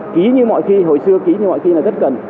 ký như mọi khi hồi xưa ký như mọi khi là rất cần